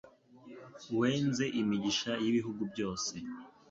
Wenze imigisha y'ibihugu byose